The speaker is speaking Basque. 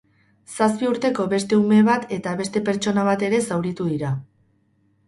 Zazpi urteko beste ume bat eta beste pertsona bat ere zauritu dira.